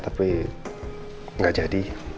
tapi gak jadi